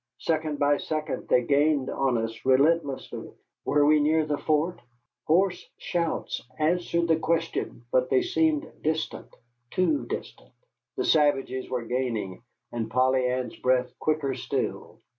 Second by second they gained on us, relentlessly. Were we near the fort? Hoarse shouts answered the question, but they seemed distant too distant. The savages were gaining, and Polly Ann's breath quicker still.